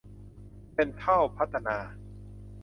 เซ็นทรัลพัฒนา